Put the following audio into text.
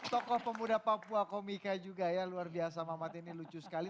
tokoh pemuda papua komika juga ya luar biasa mamat ini lucu sekali